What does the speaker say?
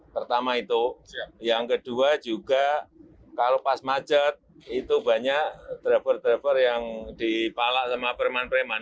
pertama itu yang kedua juga kalau pas macet itu banyak driver driver yang dipalak sama preman preman